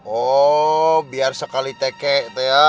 oh biar sekali tag nya